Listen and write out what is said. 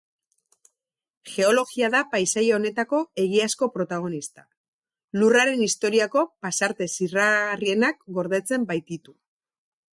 Geologia da paisaia honetako egiazko protagonista, Lurraren historiako pasarte zirraragarrienak gordetzen baititu.